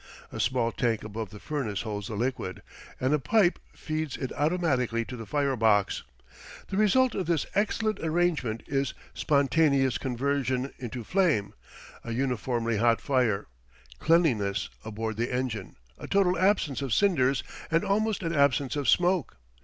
A small tank above the furnace holds the liquid, and a pipe feeds it automatically to the fire box. The result of this excellent arrangement is spontaneous conversion into flame, a uniformly hot fire, cleanliness aboard the engine, a total absence of cinders, and almost an absence of smoke.